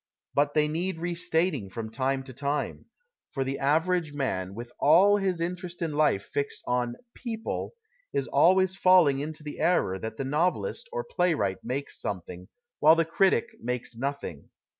But they need restating from time to time. For the average man, with all his interest in life fixed on " people," 92 CRITICISM AND CREATION is always falling into the error that the novelist or playwright makes something, while the critic makes nothing.